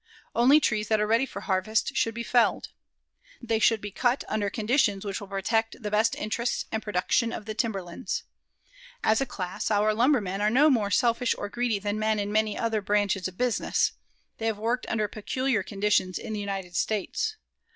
Only trees that are ready for harvest should be felled. They should be cut under conditions which will protect the best interests and production of the timberlands. As a class, our lumbermen are no more selfish or greedy than men in many other branches of business. They have worked under peculiar conditions in the United States.